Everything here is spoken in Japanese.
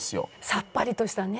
さっぱりとしたね